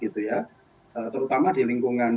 terutama di lingkungan